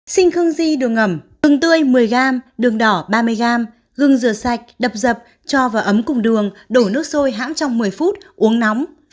xinh khương di đường ngầm gừng tươi một mươi g đường đỏ ba mươi g gừng dừa sạch đập dập cho vào ấm cùng đường đổ nước sôi hãm trong một mươi phút uống nóng